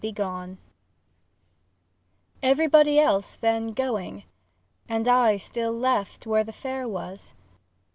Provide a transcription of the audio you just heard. EXEUNT OMNES I EVERYBODY else, then, going, And I still left where the fair was?